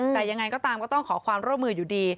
แต่ยังไงก็ตามก็ต้องขอความร่วมมืออยู่ดี